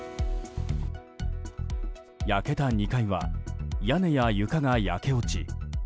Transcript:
焼けた２階は屋根や床が焼け落ち